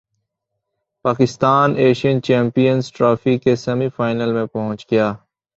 Pakistan Asian Champions Trophy کے semi final میں پہنچ گیا